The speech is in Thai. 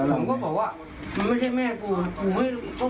ผมก็บอกว่ามันไม่ใช่แม่กูไม่รู้